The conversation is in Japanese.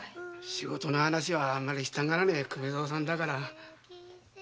仕事の話はあんまりしたがらねえ粂蔵さんだから。